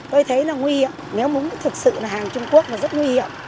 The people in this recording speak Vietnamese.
tôi thấy là nguy hiểm nếu múng thực sự là hàng trung quốc là rất nguy hiểm